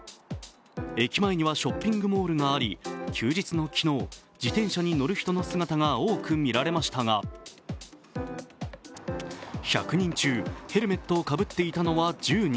駅前にはショッピングモールがあり、休日の昨日、自転車の乗る人の姿が多く見られましたが１００人中、ヘルメットをかぶっていたのは１０人。